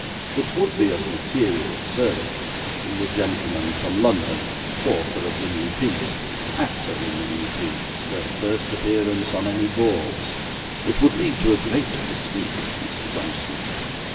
It would be of material service the gentleman from London author of the new piece actor in the new piece first appearance on any boards it would lead to a great bespeak, Mr. Johnson.